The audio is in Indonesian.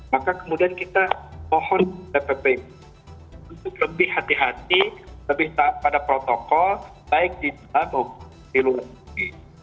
maka kemudian kita mohon bpp untuk lebih hati hati lebih pada protokol baik di dalam maupun di luar negeri